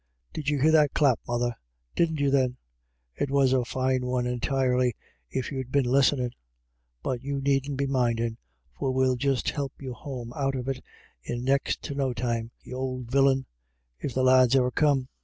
— Did you hear that clap, mother ? Didn't you then ? It was a fine one intirely, if you'd been listenin'. But you needn't be mindin', for we'll just help you home out of it in next to no time, y'ould villin. — If the lads iver come."